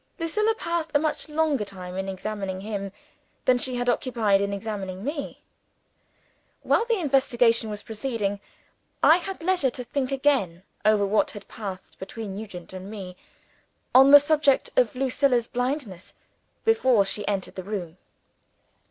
Lucilla employed a much longer time in examining him than she had occupied in examining me. While the investigation was proceeding, I had leisure to think again over what had passed between Nugent and me on the subject of Lucilla's blindness, before she entered the room.